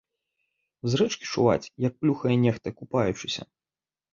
З рэчкі чуваць, як плюхае нехта, купаючыся.